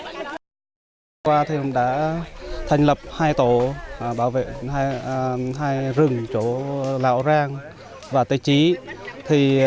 trong năm qua chúng ta đã thành lập hai tổ bảo vệ rừng chỗ lão rang và tây chí